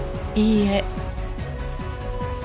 いいえ。